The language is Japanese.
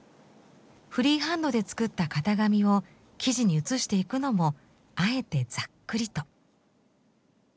フリーハンドで作った型紙を生地に写していくのもあえてざっくりと。